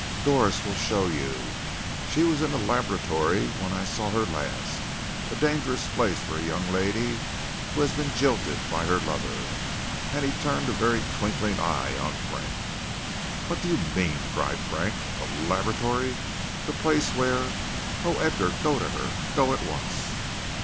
"Doris will show you. She was in the laboratory when I saw her last. A dangerous place for a young lady who has been jilted by her lover!" And he turned a very twinkling eye on Frank. "What do you mean?" cried Frank. "The laboratory! The place where O Edgar, go to her, go at once."